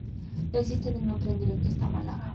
No existe ningún tren directo hasta Málaga.